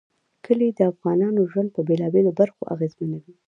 کلي د افغانانو ژوند په بېلابېلو برخو اغېزمنوي.